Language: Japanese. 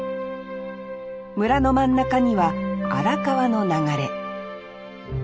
村の真ん中には荒川の流れ。